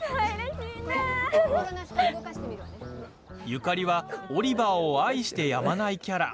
ゆかりはオリバーを愛してやまないキャラ。